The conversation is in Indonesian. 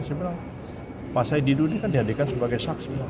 saya bilang pak said didu ini kan dihadirkan sebagai saksi